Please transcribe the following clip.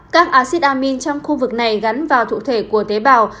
các acid amine trong khu vực này gắn vào thụ thể của tế bào